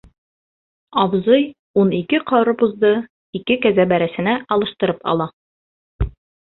— Абзый ун ике ҡарбузды ике кәзә бәрәсенә алыштырып ала.